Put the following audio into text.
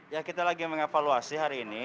ya kita lagi mengevaluasi hari ini